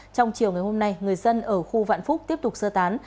trong chiều ngày hôm nay người dân ở khu vạn phúc tiếp tục sơ tán